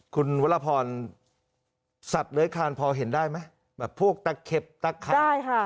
คุณวรพรสัตว์เลื้อยคานพอเห็นได้ไหมแบบพวกตะเข็บตะข่ายค่ะ